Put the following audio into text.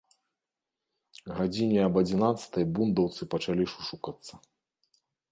Гадзіне аб адзінаццатай бундаўцы пачалі шушукацца.